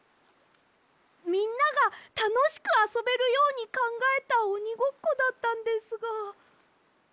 みんながたのしくあそべるようにかんがえたおにごっこだったんですが。